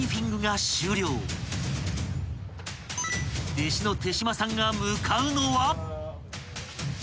［弟子の手島さんが向かうのは］